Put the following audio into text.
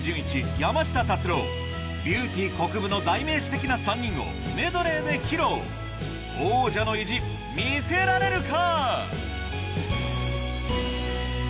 山下達郎ビューティーこくぶの代名詞的な３人をメドレーで披露王者の意地見せられるか？